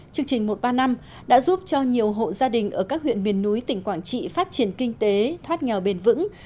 chương trình một ba năm đã giúp cho nhiều hộ gia đình ở các huyện miền núi tỉnh quảng trị phát triển kinh tế thoát nghèo bền vững